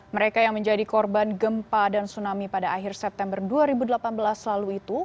mereka yang menjadi korban gempa dan tsunami pada akhir september dua ribu delapan belas lalu itu